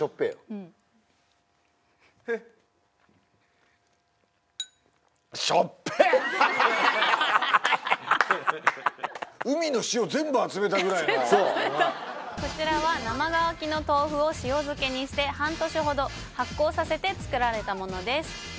うん全部集めたそうこちらは生乾きの豆腐を塩漬けにして半年ほど発酵させて作られたものです